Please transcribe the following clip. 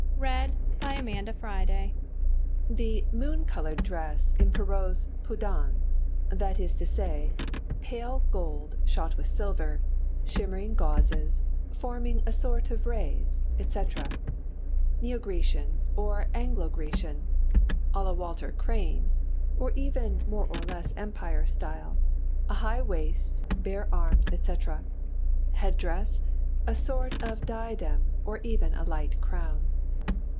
The "moon coloured" dress in Perrault's Peau d'âne; that is to say, pale gold shot with silver, shimmering gauzes, forming a sort of rays, etc. Neo Grecian or Anglo Grecian (à la Walter Crane) or even more or less Empire style: a high waist, bare arms, etc. Head dress: a sort of diadem or even a light crown.